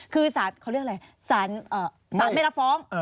คือสารเขาเรียกอะไรสารไม่รับฟ้อง